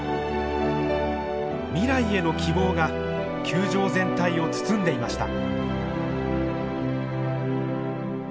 未来への希望が球場全体を包んでいました。